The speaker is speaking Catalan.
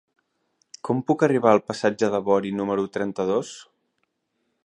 Com puc arribar al passatge de Bori número trenta-dos?